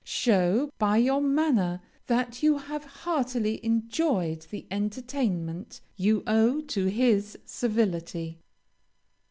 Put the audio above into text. Show by your manner that you have heartily enjoyed the entertainment you owe to his civility.